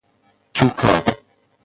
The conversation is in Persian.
توکا